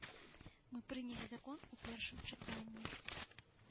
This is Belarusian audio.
Мы прынялі закон у першым чытанні.